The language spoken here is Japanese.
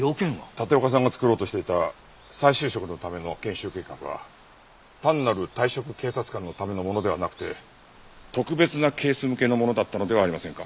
立岡さんが作ろうとしていた再就職のための研修計画は単なる退職警察官のためのものではなくて特別なケース向けのものだったのではありませんか？